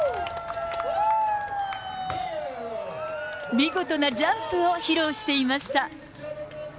見事なジャンプを披露していました。